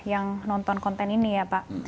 yang nonton konten ini ya pak